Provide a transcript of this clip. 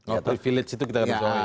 oh privilege itu kita harus tahu ya